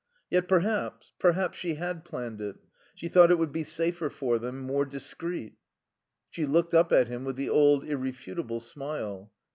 Yet perhaps perhaps she had planned it; she thought it would be safer for them, more discreet. She looked up at him with the old, irrefutable smile.